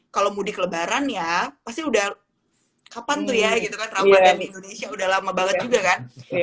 kalau mudik lebaran ya pasti udah kapan tuh ya gitu kan ramadhan di indonesia udah lama banget juga kan